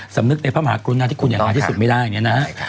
สำนึกในพระมหากรุณาที่คุณอย่างมากที่สุดไม่ได้